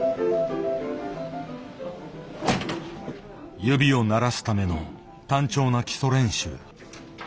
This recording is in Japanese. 指を慣らすための単調な基礎練習。